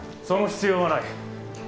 その必要はない。